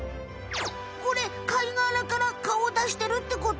これ貝がらからかおをだしてるってこと？